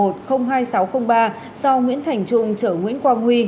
do nguyễn thành trung chở nguyễn quang huy